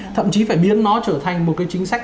thậm chí phải biến nó trở thành một cái chính sách